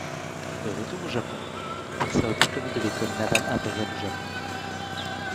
De retour au Japon, il sort diplômé de l'école navale impériale du Japon.